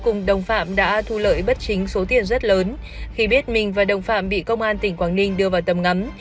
cùng đồng phạm đã thu lợi bất chính số tiền rất lớn khi biết mình và đồng phạm bị công an tỉnh quảng ninh đưa vào tầm ngắm